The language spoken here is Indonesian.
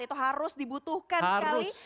itu harus dibutuhkan sekali